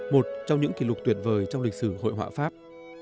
một trong những kỷ lục tuyệt vời trong lịch sử hội họa pháp